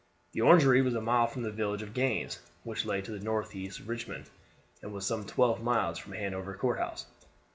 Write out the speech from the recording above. The Orangery was a mile from the village of Gaines, which lay to the northeast of Richmond, and was some twelve miles from Hanover Courthouse.